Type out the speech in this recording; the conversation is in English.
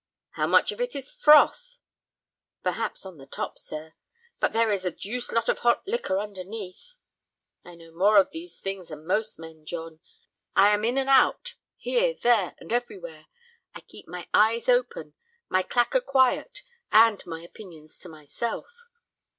"How much of it is froth?" "Perhaps on the top, sir; but there is a deuced lot of hot liquor underneath. I know more of these things than most men, John; I am in and out, here, there, and everywhere; I keep my ears open, my clacker quiet, and my opinions to myself.